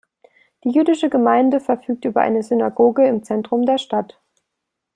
Die jüdische Gemeinde verfügt über eine Synagoge im Zentrum der Stadt.